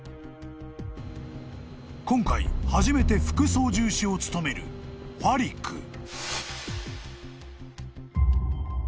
［今回初めて副操縦士を務めるファリク］